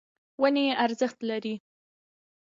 ونې ارزښت لري.